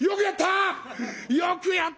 「よくやった！